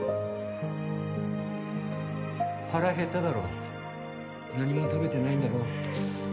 腹へっただろ何も食べてないんだろ？